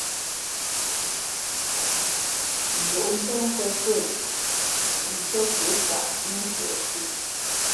Njǒʼ cóh nkwēn sê nshʉ́ά kūʼkaʼ nά ntiē sē.